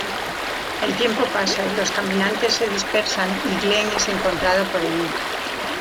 El tiempo pasa y los caminantes se dispersan, y Glenn es encontrado por Enid.